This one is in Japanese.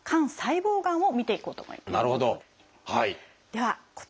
はい。